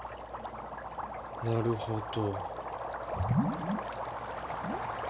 なるほど。